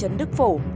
huyện đức phổ